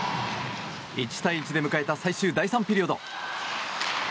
１対１で迎えた最終第３ピリオド。